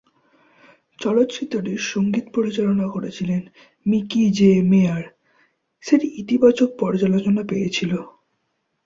চলচ্চিত্রটির সংগীত পরিচালনা করেছিলেন মিকি জে মেয়ার, সেটি ইতিবাচক পর্যালোচনা পেয়েছিল।